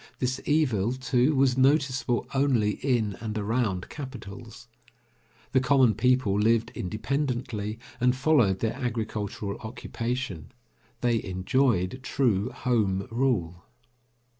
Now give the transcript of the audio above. This evil, too, was noticeable only in and around capitals. The common people lived independently, and followed their agricultural occupation. They enjoyed true Home Rule.